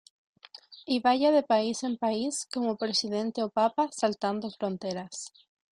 Y vaya de país en país como presidente o papa, saltando fronteras.